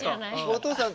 お父さん